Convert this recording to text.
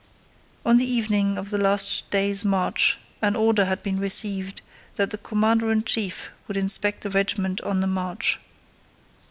On the evening of the last day's march an order had been received that the commander in chief would inspect the regiment on the march.